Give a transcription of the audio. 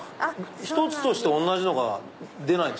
１つとして同じのが出ない。